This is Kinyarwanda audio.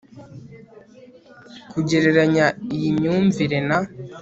kugereranya iyi myumvire na